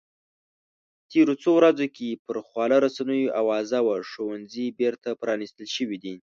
تېرو څو ورځو کې پر خواله رسنیو اوازه وه ښوونځي بېرته پرانیستل شوي دي